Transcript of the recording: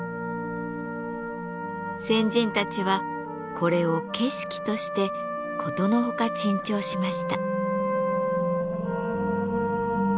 先人たちはこれを景色として殊の外珍重しました。